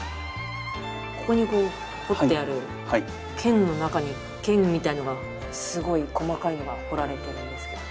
ここにこう彫ってある剣の中に剣みたいなのがすごい細かいのが彫られてるんですけど。